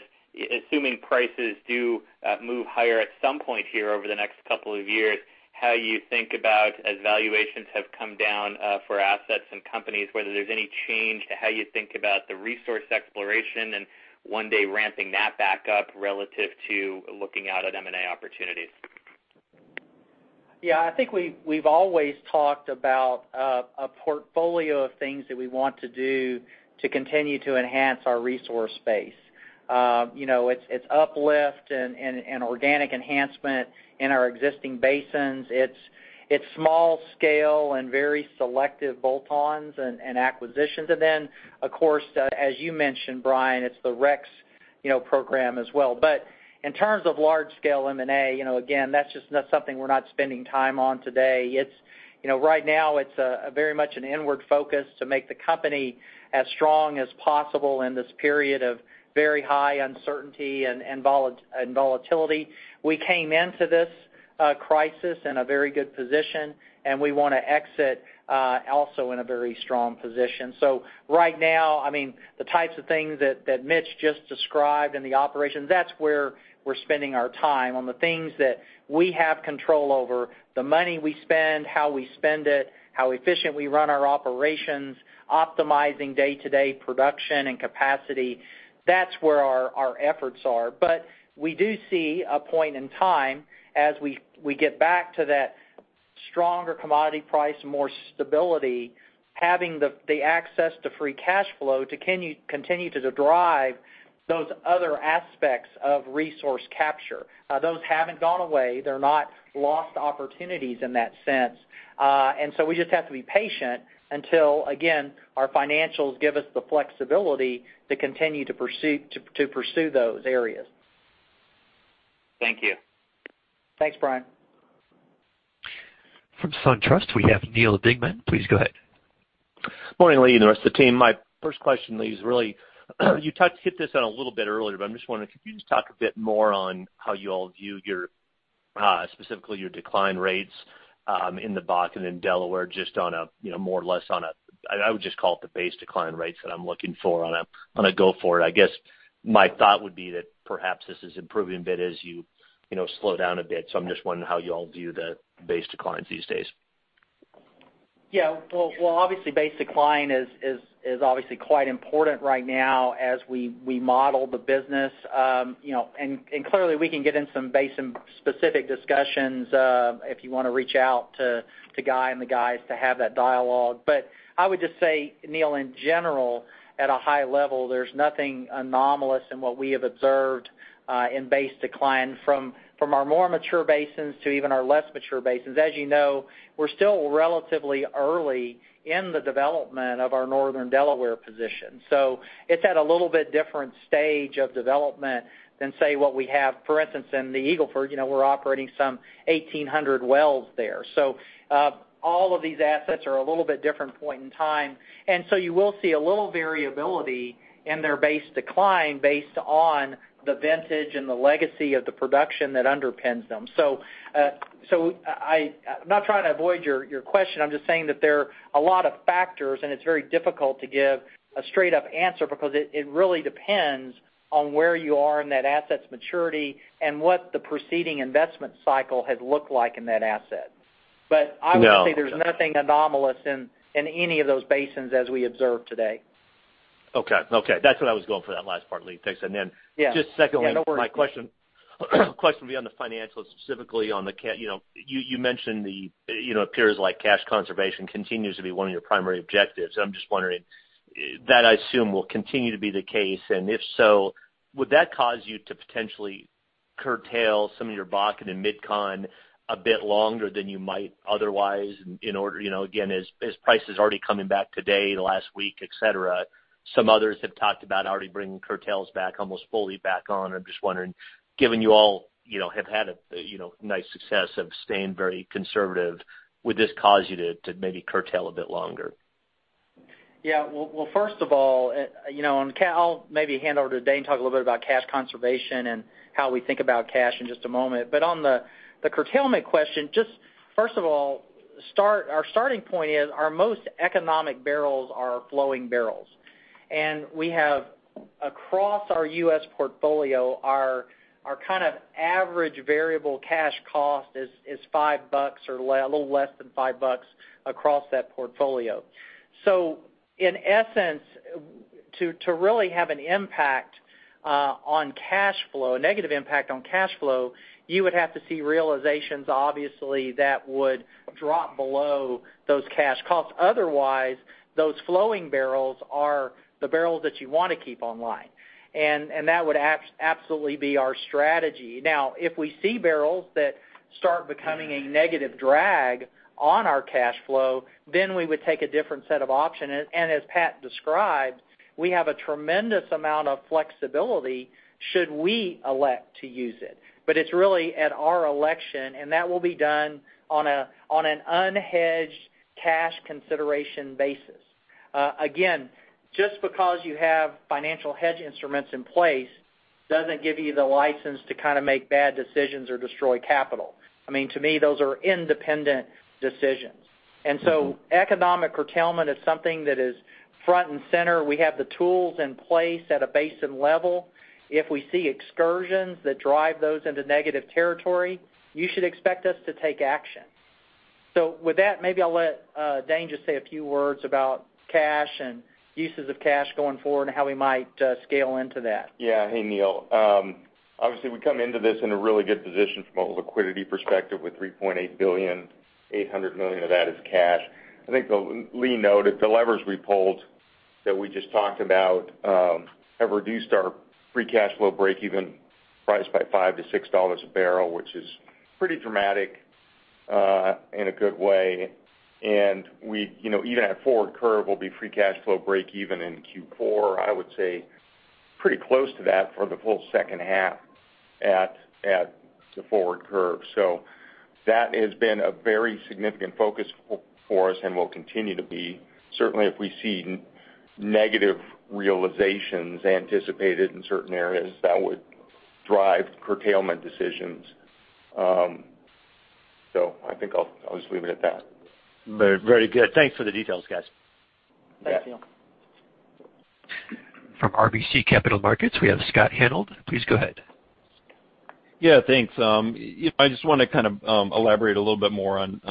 assuming prices do move higher at some point here over the next couple of years, how you think about, as valuations have come down for assets and companies, whether there's any change to how you think about the resource exploration and one day ramping that back up relative to looking out at M&A opportunities? I think we've always talked about a portfolio of things that we want to do to continue to enhance our resource base. It's uplift and organic enhancement in our existing basins. It's small scale and very selective bolt-ons and acquisitions. Of course, as you mentioned, Brian, it's the REX program as well. In terms of large scale M&A, again, that's just not something we're not spending time on today. Right now it's a very much an inward focus to make the company as strong as possible in this period of very high uncertainty and volatility. We came into this crisis in a very good position, and we want to exit also in a very strong position. Right now, the types of things that Mitch just described in the operations, that's where we're spending our time, on the things that we have control over, the money we spend, how we spend it, how efficient we run our operations, optimizing day-to-day production and capacity. That's where our efforts are. We do see a point in time as we get back to that stronger commodity price, more stability, having the access to free cash flow to continue to drive those other aspects of resource capture. Those haven't gone away. They're not lost opportunities in that sense. We just have to be patient until, again, our financials give us the flexibility to continue to pursue those areas. Thank you. Thanks, Brian. From SunTrust, we have Neal Dingmann. Please go ahead. Morning, Lee, and the rest of the team. My first question, Lee, is really, you hit this on a little bit earlier. I'm just wondering if you could just talk a bit more on how you all view your, specifically your decline rates, in the Bakken and Delaware, just on a more or less on a, I would just call it the base decline rates that I'm looking for on a go forward. I guess my thought would be that perhaps this is improving a bit as you slow down a bit. I'm just wondering how you all view the base declines these days. Yeah. Well, obviously, base decline is obviously quite important right now as we model the business. Clearly we can get in some basin specific discussions, if you want to reach out to Guy and the guys to have that dialogue. I would just say, Neal, in general, at a high level, there's nothing anomalous in what we have observed, in base decline from our more mature basins to even our less mature basins. You know, we're still relatively early in the development of our northern Delaware position. It's at a little bit different stage of development than, say, what we have, for instance, in the Eagle Ford. We're operating some 1,800 wells there. All of these assets are a little bit different point in time, and so you will see a little variability in their base decline based on the vintage and the legacy of the production that underpins them. I'm not trying to avoid your question. I'm just saying that there are a lot of factors, and it's very difficult to give a straight-up answer because it really depends on where you are in that asset's maturity and what the preceding investment cycle has looked like in that asset. No. I would say there's nothing anomalous in any of those basins as we observe today. Okay. That's what I was going for that last part, Lee. Thanks. Yeah. Just secondly- Yeah, no worries. My question would be on the financials, specifically. You mentioned it appears like cash conservation continues to be one of your primary objectives. I'm just wondering, that I assume will continue to be the case. If so, would that cause you to potentially curtail some of your Bakken and MidCon a bit longer than you might otherwise in order, again, as price is already coming back today, the last week, et cetera. Some others have talked about already bringing curtails back, almost fully back on. I'm just wondering, given you all have had a nice success of staying very conservative, would this cause you to maybe curtail a bit longer? Yeah. Well, first of all, I'll maybe hand over to Dane to talk a little bit about cash conservation and how we think about cash in just a moment. On the curtailment question, just first of all, our starting point is our most economic barrels are flowing barrels. We have, across our U.S. portfolio, our kind of average variable cash cost is $5 or a little less than $5 across that portfolio. In essence, to really have a negative impact on cash flow, you would have to see realizations, obviously, that would drop below those cash costs. Otherwise, those flowing barrels are the barrels that you want to keep online. That would absolutely be our strategy. Now, if we see barrels that start becoming a negative drag on our cash flow, then we would take a different set of options. As Pat described, we have a tremendous amount of flexibility should we elect to use it. It's really at our election, and that will be done on an unhedged cash consideration basis. Again, just because you have financial hedge instruments in place, doesn't give you the license to make bad decisions or destroy capital. To me, those are independent decisions. Economic curtailment is something that is front and center. We have the tools in place at a basin level. If we see excursions that drive those into negative territory, you should expect us to take action. With that, maybe I'll let Dane just say a few words about cash and uses of cash going forward and how we might scale into that. Hey, Neal. Obviously, we come into this in a really good position from a liquidity perspective with $3.8 billion, $800 million of that is cash. I think Lee noted the levers we pulled that we just talked about have reduced our free cash flow breakeven price by $5-$6 a barrel, which is pretty dramatic in a good way. Even at forward curve, we'll be free cash flow breakeven in Q4. I would say pretty close to that for the full second half at the forward curve. That has been a very significant focus for us and will continue to be. Certainly, if we see negative realizations anticipated in certain areas, that would drive curtailment decisions. I think I'll just leave it at that. Very good. Thanks for the details, guys. Yeah. Thanks, Neal. From RBC Capital Markets, we have Scott Hanold. Please go ahead. Thanks. I just want to elaborate a little bit more on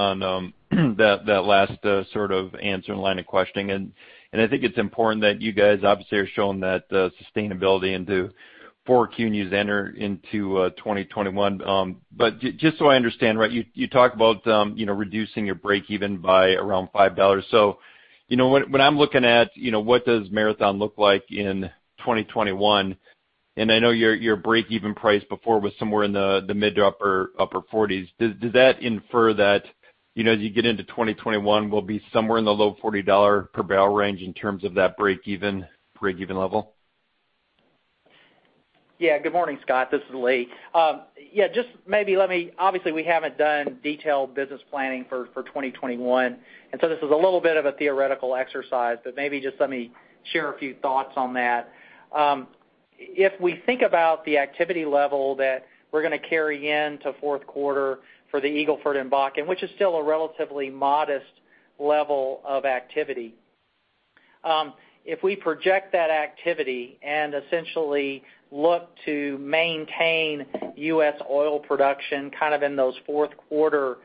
that last answer and line of questioning. I think it's important that you guys obviously are showing that sustainability into 4Q and you enter into 2021. Just so I understand, you talk about reducing your breakeven by around $5. When I'm looking at what does Marathon look like in 2021, and I know your breakeven price before was somewhere in the mid to upper $40s. Does that infer that as you get into 2021, we'll be somewhere in the low $40 per barrel range in terms of that breakeven level? Good morning, Scott. This is Lee. Obviously, we haven't done detailed business planning for 2021, this is a little bit of a theoretical exercise, maybe just let me share a few thoughts on that. If we think about the activity level that we're going to carry into fourth quarter for the Eagle Ford and Bakken, which is still a relatively modest level of activity. If we project that activity and essentially look to maintain U.S. oil production in those fourth quarter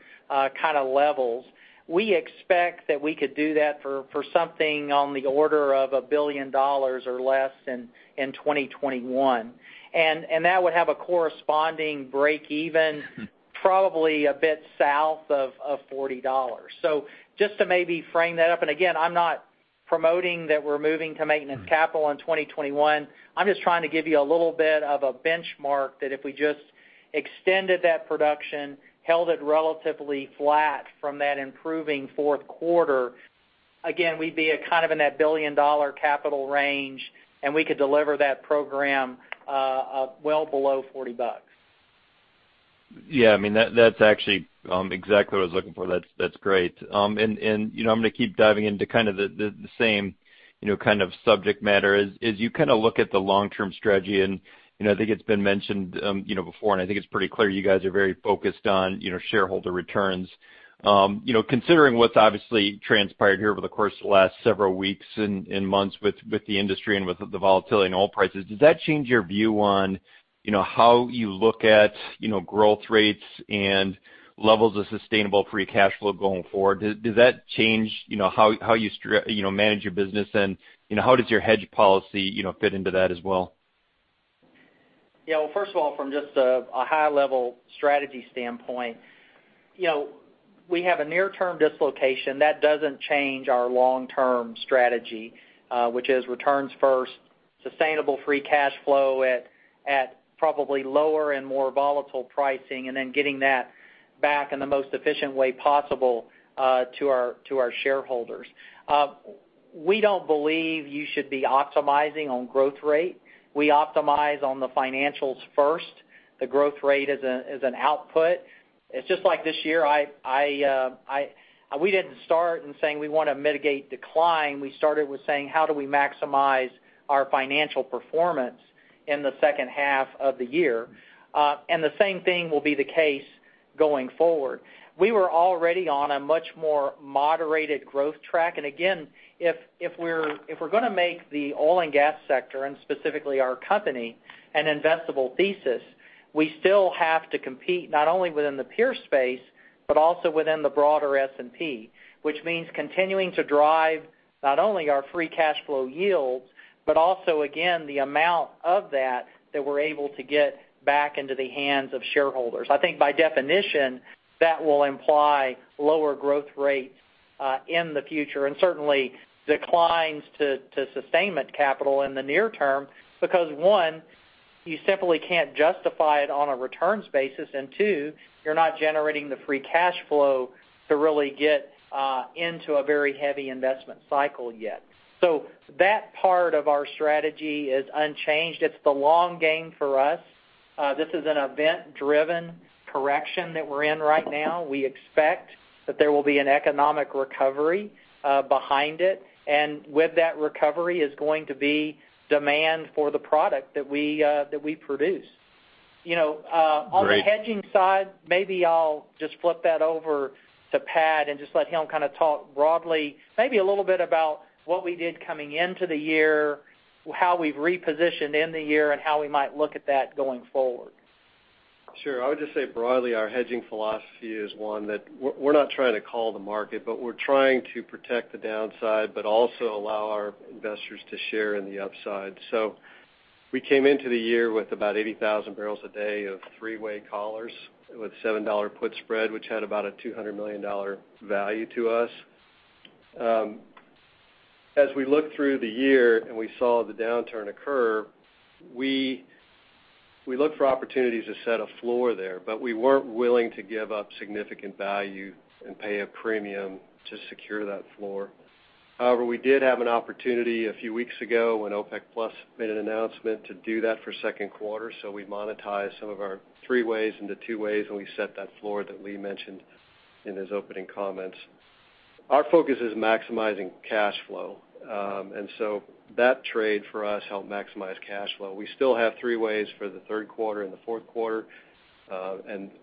levels, we expect that we could do that for something on the order of $1 billion or less in 2021. That would have a corresponding breakeven probably a bit south of $40. Just to maybe frame that up, again, I'm not promoting that we're moving to maintenance capital in 2021. I'm just trying to give you a little bit of a benchmark that if we just extended that production, held it relatively flat from that improving fourth quarter, again, we'd be in that billion-dollar capital range, and we could deliver that program well below $40. Yeah. That's actually exactly what I was looking for. That's great. I'm going to keep diving into the same kind of subject matter. As you look at the long-term strategy, and I think it's been mentioned before, and I think it's pretty clear you guys are very focused on shareholder returns. Considering what's obviously transpired here over the course of the last several weeks and months with the industry and with the volatility in oil prices, does that change your view on how you look at growth rates and levels of sustainable free cash flow going forward? Does that change how you manage your business, and how does your hedge policy fit into that as well? Yeah. Well, first of all, from just a high-level strategy standpoint, we have a near-term dislocation. That doesn't change our long-term strategy, which is returns first, sustainable free cash flow at probably lower and more volatile pricing, and then getting that back in the most efficient way possible to our shareholders. We don't believe you should be optimizing on growth rate. We optimize on the financials first. The growth rate is an output. It's just like this year, we didn't start in saying we want to mitigate decline. We started with saying, how do we maximize our financial performance in the second half of the year? The same thing will be the case going forward. We were already on a much more moderated growth track. Again, if we're going to make the oil and gas sector, and specifically our company, an investable thesis. We still have to compete not only within the peer space, but also within the broader S&P, which means continuing to drive not only our free cash flow yields, but also, again, the amount of that that we're able to get back into the hands of shareholders. I think by definition, that will imply lower growth rates in the future, and certainly declines to sustainment capital in the near term. One, you simply can't justify it on a returns basis, and two, you're not generating the free cash flow to really get into a very heavy investment cycle yet. That part of our strategy is unchanged. It's the long game for us. This is an event-driven correction that we're in right now. We expect that there will be an economic recovery behind it, and with that recovery is going to be demand for the product that we produce. On the hedging side, maybe I'll just flip that over to Pat and just let him kind of talk broadly, maybe a little bit about what we did coming into the year, how we've repositioned in the year, and how we might look at that going forward. Sure. I would just say broadly, our hedging philosophy is one that we're not trying to call the market, but we're trying to protect the downside, but also allow our investors to share in the upside. We came into the year with about 80,000 barrels a day of three-way collars with $7 put spread, which had about a $200 million value to us. As we looked through the year and we saw the downturn occur, we looked for opportunities to set a floor there, but we weren't willing to give up significant value and pay a premium to secure that floor. However, we did have an opportunity a few weeks ago when OPEC+ made an announcement to do that for second quarter. We monetized some of our three ways into two ways, and we set that floor that Lee mentioned in his opening comments. Our focus is maximizing cash flow. That trade for us helped maximize cash flow. We still have three ways for the third quarter and the fourth quarter.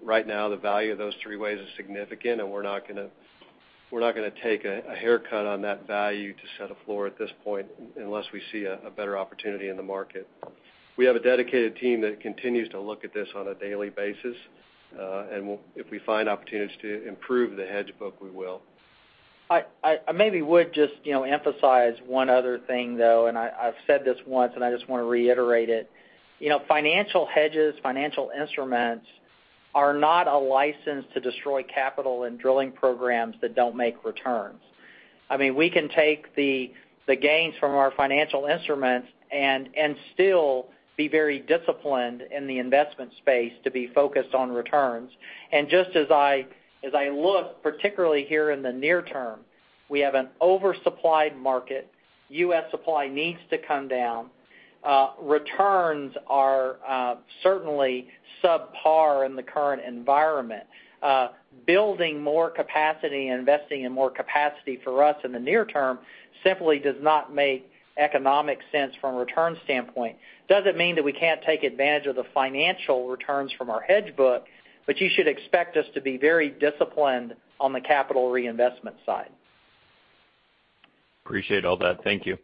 Right now, the value of those three ways is significant, and we're not going to take a haircut on that value to set a floor at this point unless we see a better opportunity in the market. We have a dedicated team that continues to look at this on a daily basis. If we find opportunities to improve the hedge book, we will. I maybe would just emphasize one other thing, though. I've said this once, I just want to reiterate it. Financial hedges, financial instruments are not a license to destroy capital and drilling programs that don't make returns. We can take the gains from our financial instruments and still be very disciplined in the investment space to be focused on returns. Just as I look, particularly here in the near term, we have an oversupplied market. U.S. supply needs to come down. Returns are certainly subpar in the current environment. Building more capacity and investing in more capacity for us in the near term simply does not make economic sense from a return standpoint. It doesn't mean that we can't take advantage of the financial returns from our hedge book. You should expect us to be very disciplined on the capital reinvestment side. Appreciate all that. Thank you.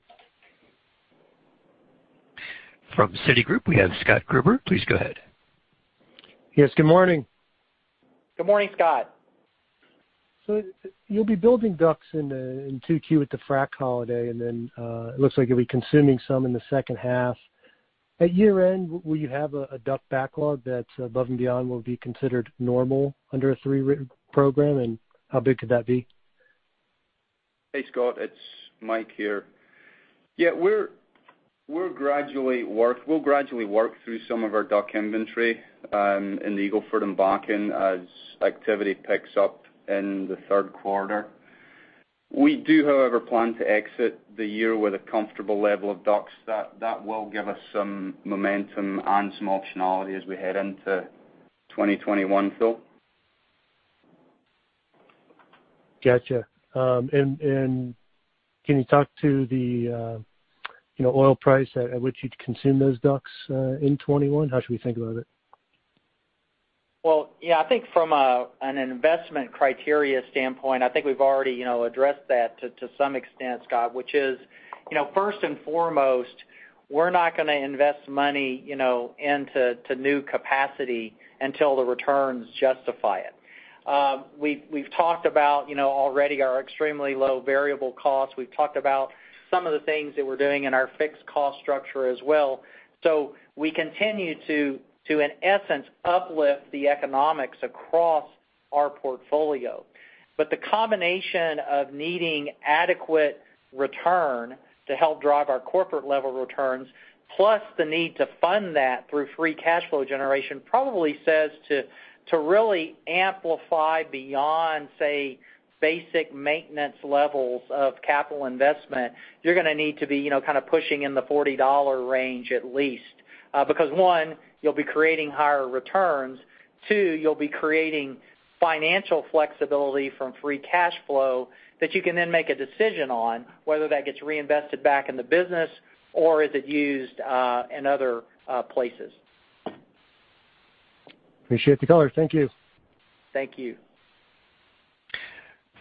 From Citigroup, we have Scott Gruber. Please go ahead. Yes, good morning. Good morning, Scott. You'll be building DUCs in Q2 at the frack holiday, and it looks like you'll be consuming some in the second half. At year-end, will you have a DUC backlog that above and beyond will be considered normal under a three program, how big could that be? Hey, Scott, it's Mike here. Yeah, we'll gradually work through some of our DUC inventory in the Eagle Ford and Bakken as activity picks up in the Q3. We do, however, plan to exit the year with a comfortable level of DUCs. That will give us some momentum and some optionality as we head into 2021, Phil. Got you. Can you talk to the oil price at which you'd consume those DUCs in 2021? How should we think about it? Well, yeah, I think from an investment criteria standpoint, I think we've already addressed that to some extent, Scott, which is first and foremost, we're not going to invest money into new capacity until the returns justify it. We've talked about already our extremely low variable costs. We've talked about some of the things that we're doing in our fixed cost structure as well. We continue to, in essence, uplift the economics across our portfolio. The combination of needing adequate return to help drive our corporate level returns, plus the need to fund that through free cash flow generation, probably says to really amplify beyond, say, basic maintenance levels of capital investment, you're going to need to be kind of pushing in the $40 range at least. One, you'll be creating higher returns, two, you'll be creating financial flexibility from free cash flow that you can then make a decision on whether that gets reinvested back in the business or is it used in other places. Appreciate the color. Thank you. Thank you.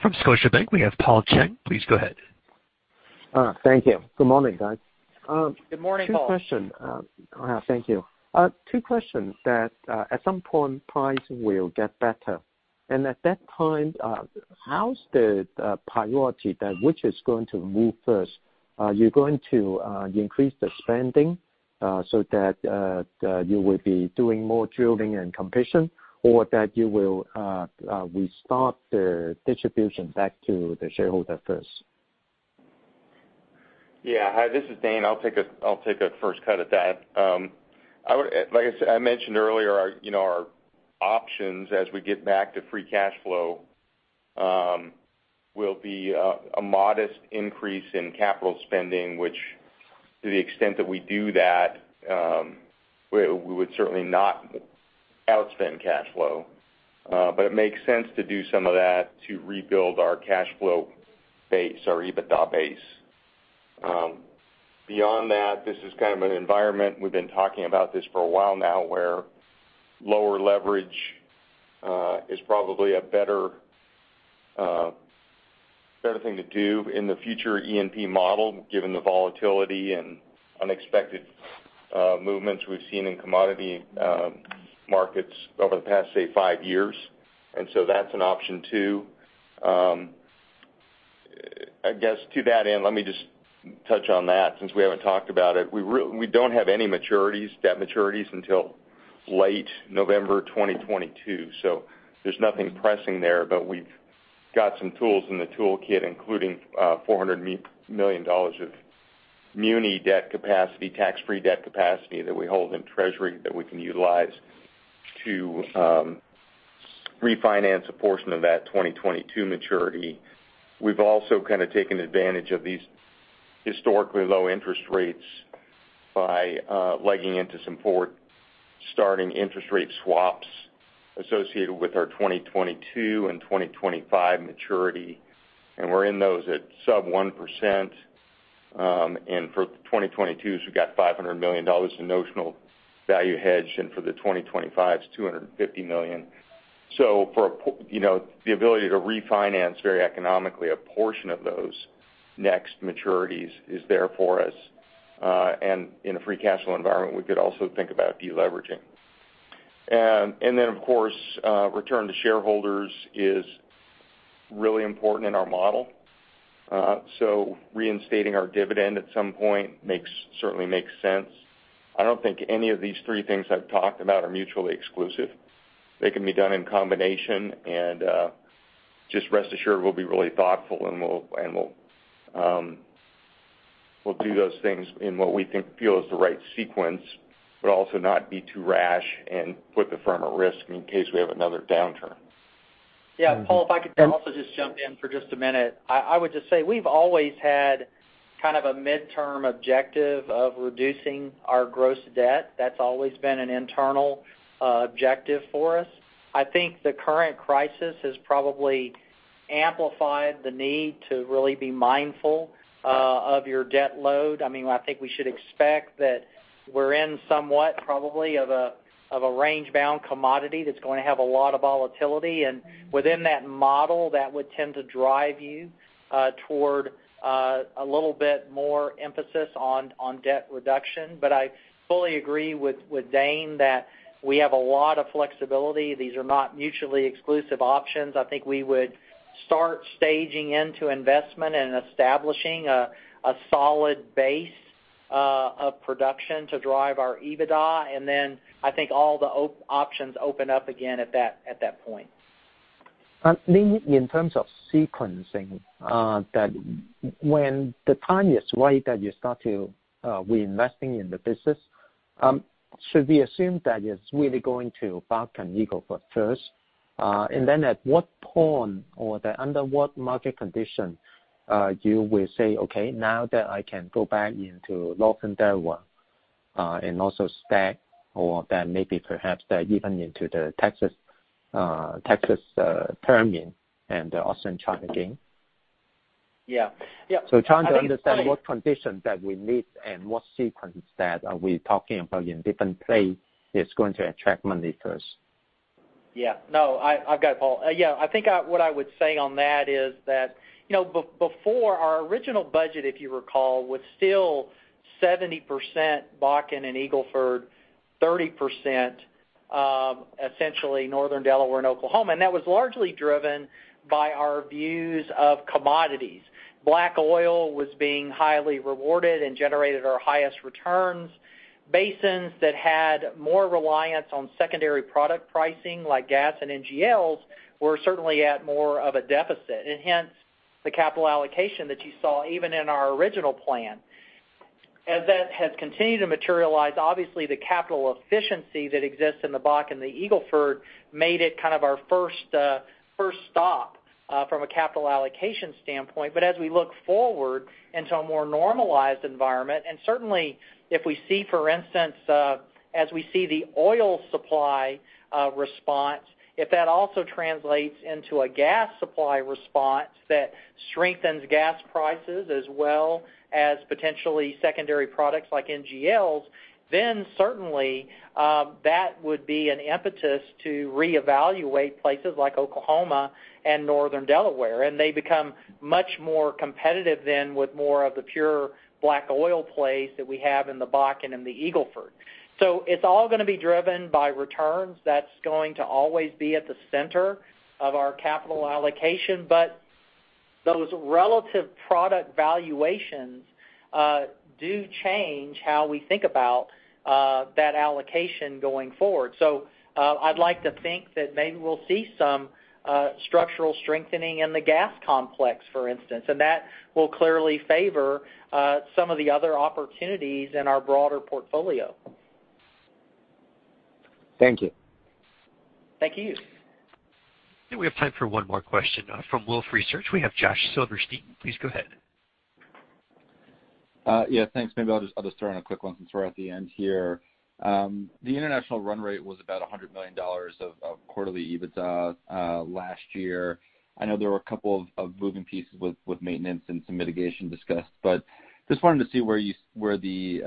From Scotiabank, we have Paul Cheng. Please go ahead. Thank you. Good morning, guys. Good morning, Paul. Thank you. Two questions that at some point price will get better. At that point, how's the priority that which is going to move first? Are you going to increase the spending, so that you will be doing more drilling and completion or that you will restart the distribution back to the shareholder first? Yeah. Hi, this is Dane. I'll take a first cut at that. Like I mentioned earlier, our options as we get back to free cash flow, will be a modest increase in capital spending, which to the extent that we do that, we would certainly not outspend cash flow. It makes sense to do some of that to rebuild our cash flow base, our EBITDA base. Beyond that, this is kind of an environment, we've been talking about this for a while now, where lower leverage is probably a better thing to do in the future E&P model, given the volatility and unexpected movements we've seen in commodity markets over the past, say, five years. That's an option too. I guess to that end, let me just touch on that since we haven't talked about it. We don't have any debt maturities until late November 2022. There's nothing pressing there, but we've got some tools in the toolkit, including $400 million of muni debt capacity, tax-free debt capacity that we hold in Treasury that we can utilize to refinance a portion of that 2022 maturity. We've also kind of taken advantage of these historically low interest rates by legging into some forward-starting interest rate swaps associated with our 2022 and 2025 maturity, and we're in those at sub 1%. For 2022's, we got $500 million in notional value hedged, and for the 2025's, $250 million. The ability to refinance very economically a portion of those next maturities is there for us. In a free cash flow environment, we could also think about de-leveraging. Then, of course, return to shareholders is really important in our model. Reinstating our dividend at some point certainly makes sense. I don't think any of these three things I've talked about are mutually exclusive. They can be done in combination, and just rest assured, we'll be really thoughtful and we'll do those things in what we feel is the right sequence, but also not be too rash and put the firm at risk in case we have another downturn. Paul, if I could also just jump in for just a minute. I would just say we've always had kind of a midterm objective of reducing our gross debt. That's always been an internal objective for us. I think the current crisis has probably amplified the need to really be mindful of your debt load. I think we should expect that we're in somewhat probably of a range-bound commodity that's going to have a lot of volatility, and within that model, that would tend to drive you toward a little bit more emphasis on debt reduction. I fully agree with Dane that we have a lot of flexibility. These are not mutually exclusive options. I think we would start staging into investment and establishing a solid base of production to drive our EBITDA, and then I think all the options open up again at that point. Lee, in terms of sequencing, that when the time is right that you start to reinvesting in the business, should we assume that it's really going to Bakken, Eagle Ford first? Then at what point or under what market condition you will say, "Okay, now that I can go back into Northern Delaware, and also STACK or then maybe perhaps that even into the Texas Permian and the Austin Chalk again? Yeah. Trying to understand what conditions that we meet and what sequence that are we talking about in different play is going to attract money first. Yeah. No, I've got it, Paul. I think what I would say on that is that, before our original budget, if you recall, was still 70% Bakken and Eagle Ford, 30% essentially Northern Delaware and Oklahoma, and that was largely driven by our views of commodities. Black oil was being highly rewarded and generated our highest returns. Basins that had more reliance on secondary product pricing, like gas and NGLs, were certainly at more of a deficit, and hence the capital allocation that you saw even in our original plan. As that has continued to materialize, obviously the capital efficiency that exists in the Bakken, the Eagle Ford made it kind of our first stop from a capital allocation standpoint. As we look forward into a more normalized environment, and certainly if we see, for instance, as we see the oil supply response, if that also translates into a gas supply response that strengthens gas prices as well as potentially secondary products like NGLs, then certainly that would be an impetus to reevaluate places like Oklahoma and Northern Delaware. They become much more competitive than with more of the pure black oil plays that we have in the Bakken and the Eagle Ford. It's all going to be driven by returns. That's going to always be at the center of our capital allocation. Those relative product valuations do change how we think about that allocation going forward. I'd like to think that maybe we'll see some structural strengthening in the gas complex, for instance, and that will clearly favor some of the other opportunities in our broader portfolio. Thank you. Thank you. We have time for one more question. From Wolfe Research, we have Josh Silverstein. Please go ahead. Yeah, thanks. Maybe I'll just throw in a quick one since we're at the end here. The international run rate was about $100 million of quarterly EBITDA last year. I know there were a couple of moving pieces with maintenance and some mitigation discussed, but just wanted to see where the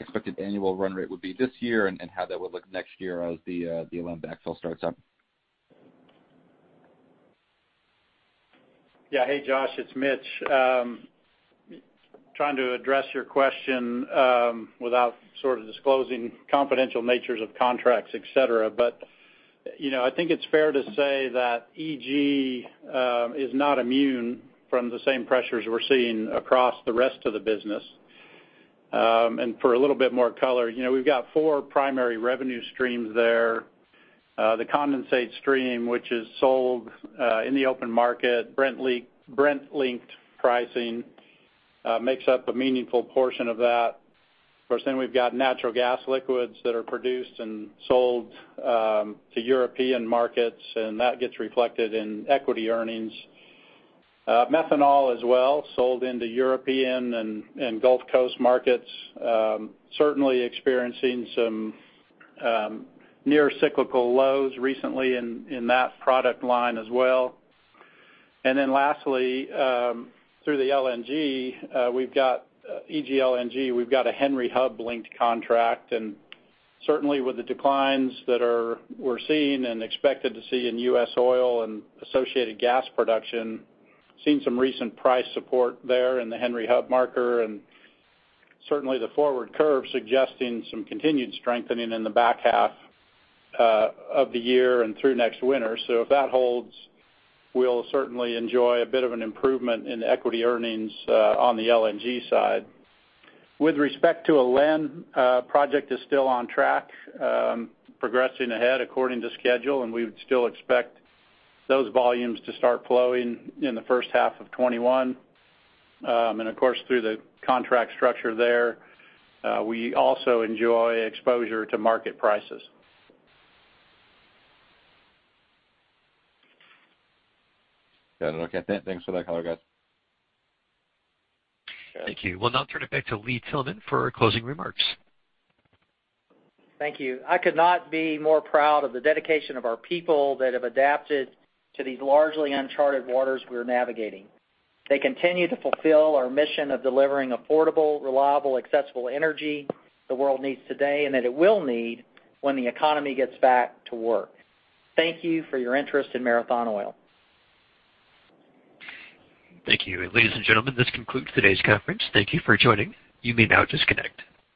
expected annual run rate would be this year and how that would look next year as the Alba field starts up. Yeah. Hey, Josh, it's Mitch. Trying to address your question without sort of disclosing confidential natures of contracts, et cetera. I think it's fair to say that EG is not immune from the same pressures we're seeing across the rest of the business. For a little bit more color, we've got four primary revenue streams there. The condensate stream, which is sold in the open market, Brent-linked pricing makes up a meaningful portion of that. Of course, we've got natural gas liquids that are produced and sold to European markets. That gets reflected in equity earnings. Methanol as well, sold into European and Gulf Coast markets. Certainly experiencing some near cyclical lows recently in that product line as well. Then lastly, through the LNG, we've got EG LNG, we've got a Henry Hub linked contract, and certainly with the declines that we're seeing and expected to see in U.S. oil and associated gas production, seen some recent price support there in the Henry Hub marker, and certainly the forward curve suggesting some continued strengthening in the back half of the year and through next winter. If that holds, we'll certainly enjoy a bit of an improvement in equity earnings on the LNG side. With respect to LNG, project is still on track, progressing ahead according to schedule, and we would still expect those volumes to start flowing in the first half of 2021. Of course, through the contract structure there, we also enjoy exposure to market prices. Okay. Thanks for that color, guys. Thank you. We'll now turn it back to Lee Tillman for closing remarks. Thank you. I could not be more proud of the dedication of our people that have adapted to these largely uncharted waters we're navigating. They continue to fulfill our mission of delivering affordable, reliable, accessible energy the world needs today and that it will need when the economy gets back to work. Thank you for your interest in Marathon Oil. Thank you. Ladies and gentlemen, this concludes today's conference. Thank you for joining. You may now disconnect.